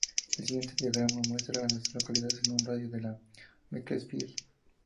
El siguiente diagrama muestra a las localidades en un radio de de Macclesfield.